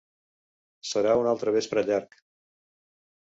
Serà un altre vespre llarg.